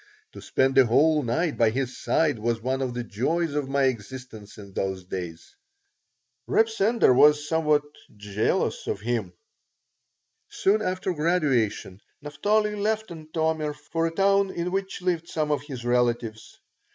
To spend a whole night by his side was one of the joys of my existence in those days Reb Sender was somewhat jealous of him Soon after graduation Naphtali left Antomir for a town in which lived some of his relatives.